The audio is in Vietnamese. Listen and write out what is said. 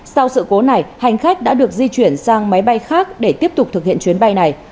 sau sự cố này hành khách đã được di chuyển sang máy bay khác để tiếp tục thực hiện chuyến bay này